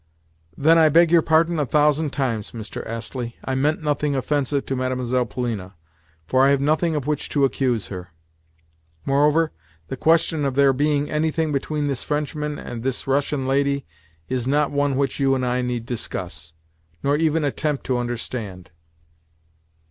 "Then I beg your pardon a thousand times, Mr. Astley. I meant nothing offensive to Mlle. Polina, for I have nothing of which to accuse her. Moreover, the question of there being anything between this Frenchman and this Russian lady is not one which you and I need discuss, nor even attempt to understand."